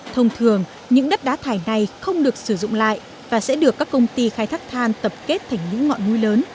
thông thường những đất đá thải này không được sử dụng lại và sẽ được các công ty khai thác than tập kết thành những ngọn núi lớn